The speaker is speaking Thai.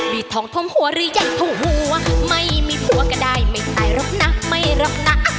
มีทองทมหัวหรือใหญ่เท่าหัวไม่มีผัวก็ได้ไม่ตายหรอกนะไม่รบนะ